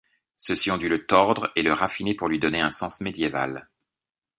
Ceux-ci ont dû le tordre et le raffiner pour lui donner un sens médiéval.